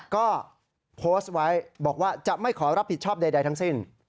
ก็โพสต์ไว้บอกว่าจะไม่ขอรับผิดชอบใดทั้งสิ้น